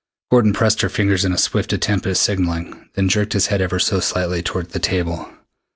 Gordon pressed her fingers in a swift attempt at signalling, then jerked his head ever so slightly toward the table.